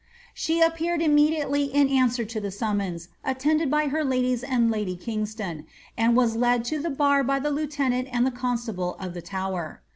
She appeared immediately in answer to the summons, attended by her ladies and lady Kingston, and was led to the bar by the lieutenant and the coQsitable of the Tower.